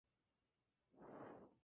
Carvajal no dejó obras publicadas.